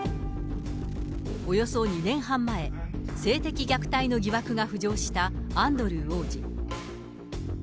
およそ２年半前、性的虐待の疑惑が浮上したアンドルー王子。